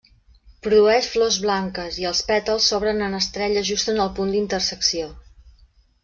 Produeix flors blanques i els pètals s'obren en estrella just en el punt d'intersecció.